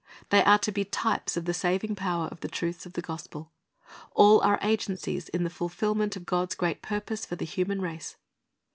They are to be types of the saving power of the truths of the gospel. All are agencies in the fulfilment of God's great purpose for the human race.